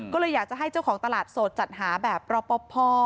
ก็เลยอยากจะให้เจ้าของตลาดสดจัดหาแบบรอปภ